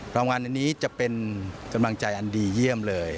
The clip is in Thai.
รางวัลอันนี้จะเป็นกำลังใจอันดีเยี่ยมเลย